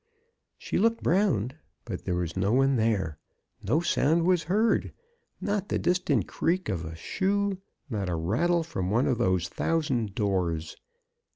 She looked round, but there was no one there ; no sound was heard ; not the distant creak of a shoe, not a rattle from one of those thousand doors.